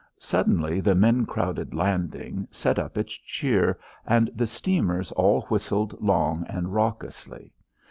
Suddenly the men crowded landing set up its cheer, and the steamers all whistled long and raucously.